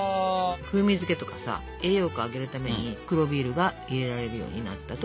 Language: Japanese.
風味付けとかさ栄養価上げるために黒ビールが入れられるようになったと。